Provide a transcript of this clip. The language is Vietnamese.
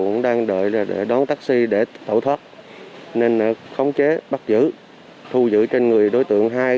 cũng đang đợi đón taxi để tẩu thoát nên khống chế bắt giữ thu giữ trên người đối tượng hai